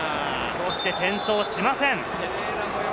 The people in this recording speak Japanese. そして転倒しません。